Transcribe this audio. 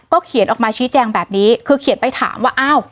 เขียนออกมาชี้แจงแบบนี้คือเขียนไปถามว่าอ้าว